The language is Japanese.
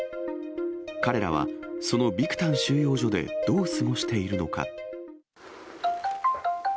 彼らは、そのビクタン収容所でどう過ごしているのか。